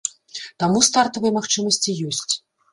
Таму стартавыя магчымасці ёсць.